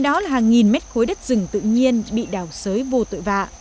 đó là hàng nghìn mét khối đất rừng tự nhiên bị đào sới vô tội vạ